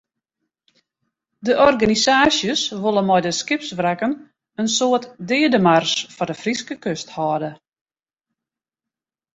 De organisaasjes wolle mei de skipswrakken in soart deademars foar de Fryske kust hâlde.